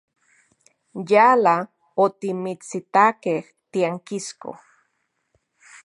Yala otimitsitakej tiankisko.